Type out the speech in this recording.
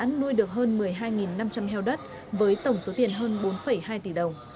hai năm trăm linh heo đất với tổng số tiền hơn bốn hai tỷ đồng